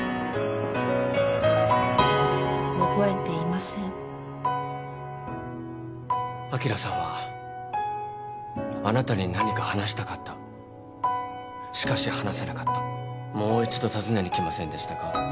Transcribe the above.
覚えていません昭さんはあなたに何か話したかったしかし話せなかったもう一度訪ねに来ませんでしたか？